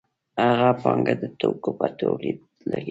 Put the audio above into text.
هغه پانګه د توکو په تولید لګولې ده